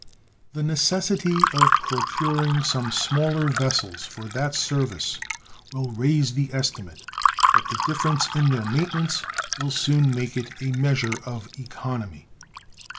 The necessity of procuring some smaller vessels for that service will raise the estimate, but the difference in their maintenance will soon make it a measure of economy.